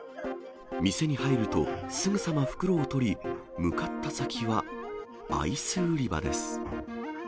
店に入ると、すぐさま袋を取り、向かった先は、アイス売り場です。